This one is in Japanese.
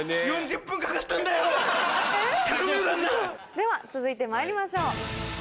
では続いてまいりましょう。